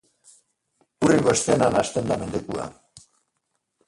Hurrengo eszenan hasten da mendekua.